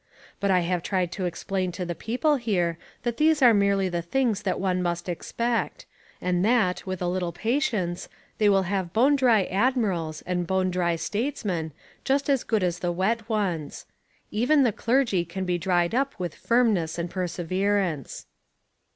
But I have tried to explain to the people here that these are merely the things that one must expect, and that, with a little patience, they will have bone dry admirals and bone dry statesmen just as good as the wet ones. Even the clergy can be dried up with firmness and perseverance.